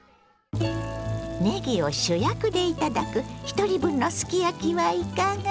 ねぎを主役で頂くひとり分のすき焼きはいかが？